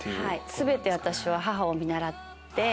全て私は母を見習って。